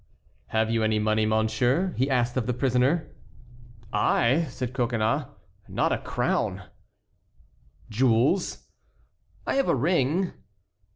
"Have you any money, monsieur?" he asked of the prisoner. "I?" said Coconnas; "not a crown." "Jewels?" "I have a ring."